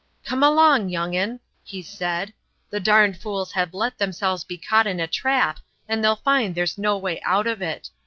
"Come along, young un!" he said. "The darned fools have let themselves be caught in a trap and they'll find there's no way out of it.